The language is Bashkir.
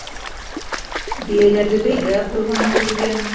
— Бейәләрҙе бәйләп ҡуйғанһығыҙ икән.